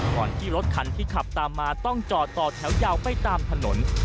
ก่อนที่รถคันที่ขับตามมาต้องจอดต่อแถวยาวไปตามถนน